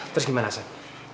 terus gimana asan